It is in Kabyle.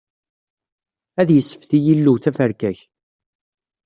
Ad yessefti yillew taferka-k!